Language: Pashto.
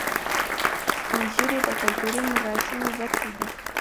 سپین ږیری د کلتوري مراسمو برخه دي